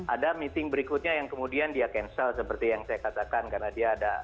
ada meeting berikutnya yang kemudian dia cancel seperti yang saya katakan karena dia ada